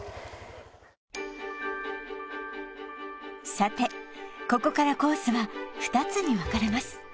さてここからコースは２つに分かれます